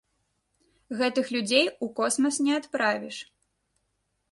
Гэтых людзей у космас не адправіш.